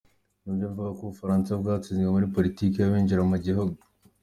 Ni byo mvuga ko u Bufaransa bwatsinzwe muri politiki y’abinjira mu gihugu.